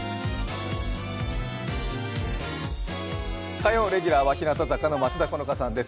火曜レギュラーは日向坂の松田好花さんです。